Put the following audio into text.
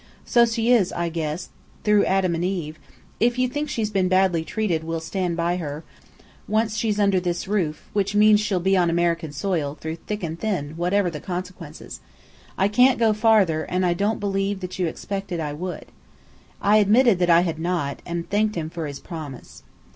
So she is, I guess, through Adam and Eve! If you think she's been badly treated, we'll stand by her, once she's under this roof (which means she'll be on American soil), through thick and thin, whatever the consequences. I can't go farther, and I don't believe you expected that I would." I admitted that I had not, and thanked him for his promise.